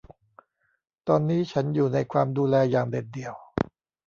ตอนนี้ฉันอยู่ในความดูแลอย่างเด็ดเดี่ยว